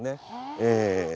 ええ。